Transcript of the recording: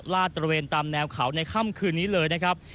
ลาดตระเวนตามแนวเขาในค่ำคืนนี้เลยนะครับ